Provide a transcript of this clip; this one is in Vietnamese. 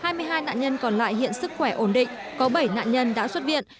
trong hai mươi hai nạn nhân còn lại hiện sức khỏe ổn định có bảy nạn nhân đã xuất viện